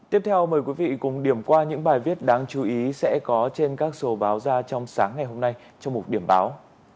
tiếp theo mời quý vị cùng điểm qua những bài viết đáng chú ý sẽ có trên các số báo ra trong sáng ngày hôm nay trong một điểm báo